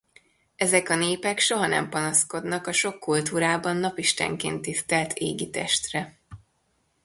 Ezek a népek soha nem panaszkodnak a sok kultúrában Napistenként tisztelt égitestre!